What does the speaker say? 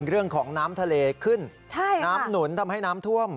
เรื่องของน้ำทะเลขึ้นน้ำหนุนทำให้น้ำท่วม